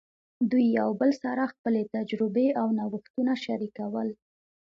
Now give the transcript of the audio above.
دوی یو بل سره خپلې تجربې او نوښتونه شریکول.